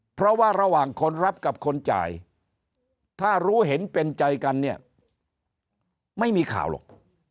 เพราะว่าระหว่างคนรับกับคนจ่ายถ้ารู้เห็นเป็นใจกันเนี่ยไม่มีข่าวหรอก